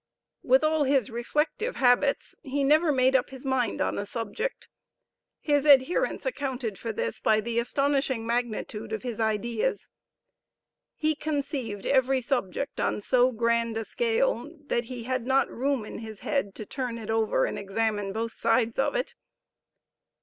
With all his reflective habits he never made up his mind on a subject. His adherents accounted for this by the astonishing magnitude of his ideas. He conceived every subject on so grand a scale that he had not room in his head to turn it over and examine both sides of it.